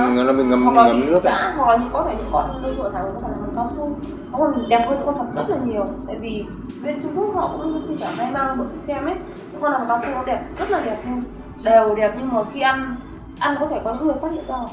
người có hiệu quả đốt bằng nửa